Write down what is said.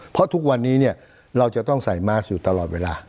เพราะทุกวันนี้เราจะต้องใส่มาสอยู่ตลอดเวลา